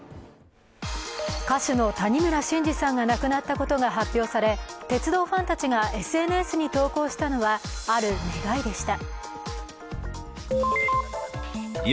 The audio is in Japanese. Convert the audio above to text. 歌手の谷村新司さんが亡くなったことが発表され、鉄道ファンたちがＳＮＳに投稿したのはある願いでした。